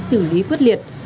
xử lý quyết liệt